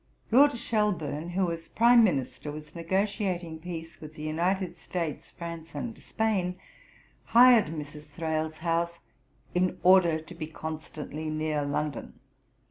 Lord Shelburne, who as Prime Minister was negotiating peace with the United States, France, and Spain, hired Mrs. Thrale's house 'in order to be constantly near London.'